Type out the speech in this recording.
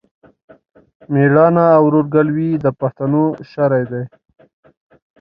مېړانه او ورورګلوي د پښتنو شری دی.